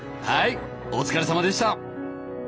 はいお疲れさまでした。